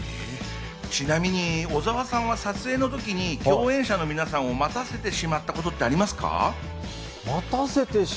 ちなみに小澤さんは撮影の時に共演者の皆さんを待たせてしまったことってありますか？